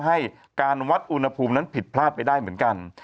ให้การวัดอุณหภูมินั้นผิดพลาดไปได้เหมือนกัน